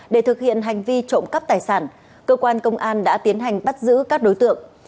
để thực hiện hành vi trộm cắp tài sản cơ quan công an đã tiến hành bắt giữ các đối tượng